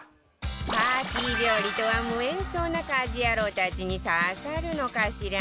パーティー料理とは無縁そうな家事ヤロウたちに刺さるのかしら？